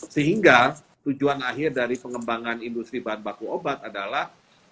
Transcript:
sehingga tujuan akhir dari pengembangan industri bahan baku obat adalah